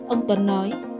ông tuấn nói